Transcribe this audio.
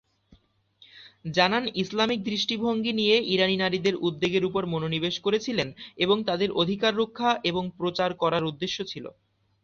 জানান ইসলামিক দৃষ্টিভঙ্গি নিয়ে ইরানী নারীদের উদ্বেগের উপর মনোনিবেশ করেছিলেন এবং তাদের অধিকার রক্ষা এবং প্রচার করার উদ্দেশ্য ছিল।